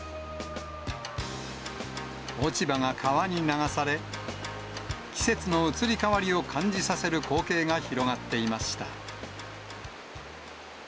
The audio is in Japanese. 落ち葉が川に流され、季節の移り変わりを感じさせる光景が広がっていました。